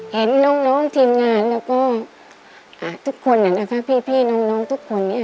เห็นน้องน้องทีมงานแล้วก็อ่าทุกคนเนี่ยนะคะพี่พี่น้องน้องทุกคนเนี่ย